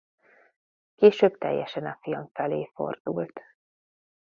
Később teljesen a film felé fordult.